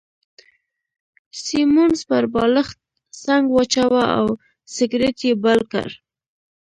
سیمونز پر بالښت څنګ واچاوه او سګرېټ يې بل کړ.